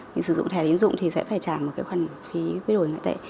mình sử dụng thẻ tín dụng thì sẽ phải trả một cái khoản phí quy đổi ở ngoại tệ